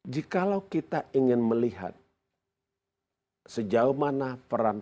jikalau kita ingin melihat sejauh mana peran